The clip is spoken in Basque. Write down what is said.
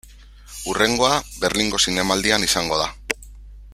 Hurrengoa, Berlingo Zinemaldian izango da.